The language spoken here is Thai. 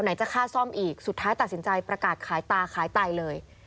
จะค่าซ่อมอีกสุดท้ายตัดสินใจประกาศขายตาขายไตเลย